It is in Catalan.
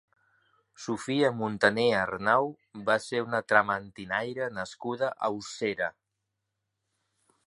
Sofia Montaner Arnau va ser una trementinaire nascuda a Ossera.